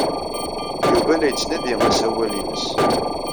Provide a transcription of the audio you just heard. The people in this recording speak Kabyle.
Yuba la yettnadi asawal-nnes.